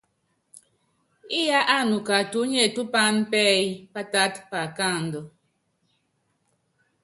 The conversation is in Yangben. Íyá ánuka tuúnye tú paán pɛ́ɛ́y pátát paakándɔ́.